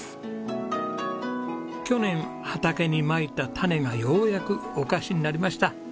去年畑にまいた種がようやくお菓子になりました。